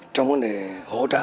trong vấn đề phòng chống dịch bệnh